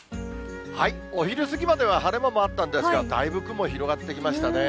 お昼過ぎまでは晴れ間もあったんですが、だいぶ雲、広がってきましたね。